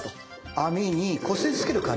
網にこすりつける感じ。